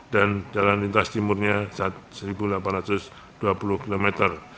dan jalan lintas timurnya satu delapan ratus dua puluh kilometer